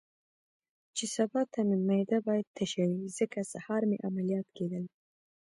چې سبا ته مې معده باید تشه وي، ځکه سهار مې عملیات کېدل.